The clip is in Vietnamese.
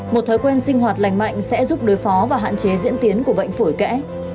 một thói quen sinh hoạt lành mạnh sẽ giúp đối phó và hạn chế diễn tiến của bệnh phổi kẽ